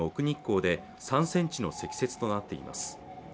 日光で３センチの積雪となっています